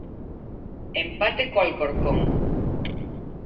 Empate co Alcorcón.